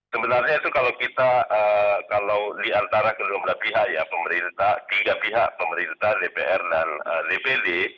sebenarnya itu kalau kita kalau diantara kedua belah pihak ya pemerintah tiga pihak pemerintah dpr dan dpd